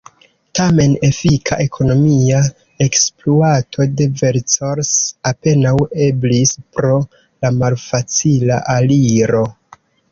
Tamen efika ekonomia ekspluato de Vercors apenaŭ eblis pro la malfacila aliro.